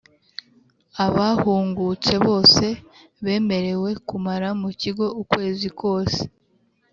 Abahungutse bose bemerewe kumara mu kigo ukwezi kose